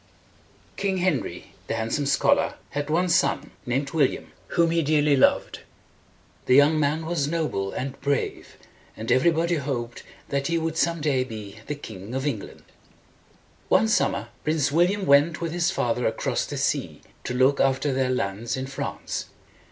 King Henry, the Handsome Scholar, had one son, named William, whom he dearly loved. The young man was noble and brave, and every body hoped that he would some day be the King of England. One summer Prince William went with his father across the sea to look after their lands in France.